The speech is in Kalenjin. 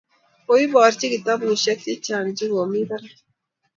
koiborchi kitabushek chechang che komii barak